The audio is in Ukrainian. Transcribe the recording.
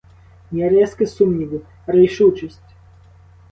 Ні риски сумніву — рішучість.